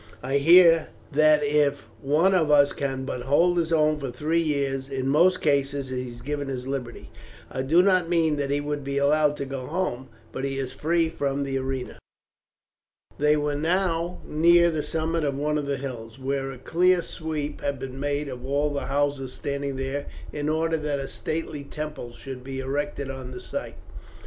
I hear that if one of us can but hold his own for three years, in most cases he is given his liberty. I do not mean that he would be allowed to go home, but he is free from the arena." They were now near the summit of one of the hills, where a clear sweep had been made of all the houses standing there in order that a stately temple should be erected on the site.